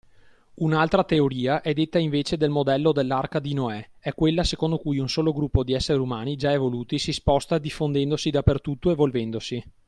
Un'altra teoria è detta invece del modello dell'arca di Noè, è quella secondo cui un solo gruppo di esseri umani già evoluti si sposta diffondendosi dappertutto evolvendosi.